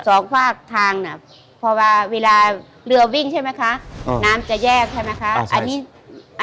สองภาคทางเวลาเรือวิ่งใช่ไหมคะน้ำจะแยกใช่ไหมคะ